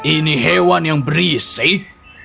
ini hewan yang berisik